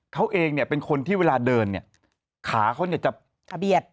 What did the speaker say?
เขาเองเนี่ยเป็นคนที่เวลาเดินเนี่ยขาเขาเนี่ยจะเบียด